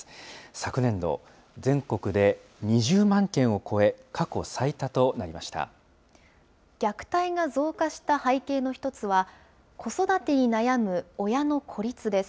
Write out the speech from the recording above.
昨年度、全国で２０万件を超え、虐待が増加した背景の一つは、子育てに悩む親の孤立です。